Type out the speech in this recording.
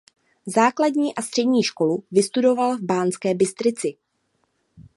Základní a střední školu studoval v Banské Bystrici.